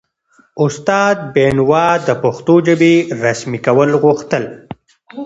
استاد بینوا د پښتو ژبې رسمي کول غوښتل.